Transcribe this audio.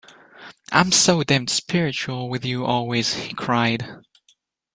“I’m so damned spiritual with you always!” he cried.